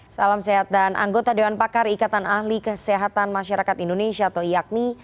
salam sehat dan anggota dewan pakar ikatan ahli kesehatan masyarakat indonesia atau iakmi